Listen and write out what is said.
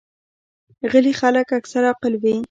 غلي خلک اکثره عاقل وي.